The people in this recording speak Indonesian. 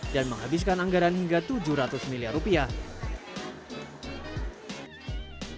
dan menghabiskan anggaran hingga tujuh ratus miliar rupiah